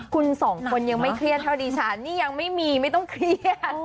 คุณสองคนยังไม่เครียดเท่าดิฉันนี่ยังไม่มีไม่ต้องเครียด